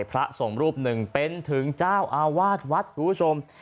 พระสงฆ์รูปหนึ่งเป็นถึงเจ้าอาวาสวัดคุณผู้ชม